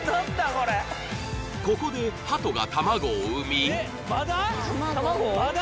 これここでハトが卵を産みまだ？